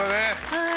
はい。